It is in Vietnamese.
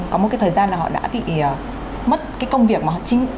có một cái thời gian là họ đã bị mất cái công việc mà